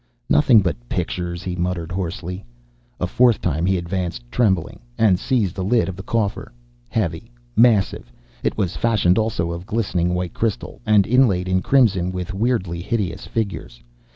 "Nothing but pictures," he muttered hoarsely. A fourth time he advanced, trembling, and seized the lid of the coffer. Heavy, massive, it was fashioned also of glistening white crystal, and inlaid in crimson with weirdly hideous figures.